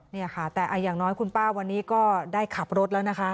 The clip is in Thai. นี่ค่ะแต่อย่างน้อยคุณป้าวันนี้ก็ได้ขับรถแล้วนะคะ